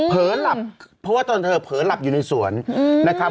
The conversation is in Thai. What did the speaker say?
หลับเพราะว่าตอนเธอเผลอหลับอยู่ในสวนนะครับ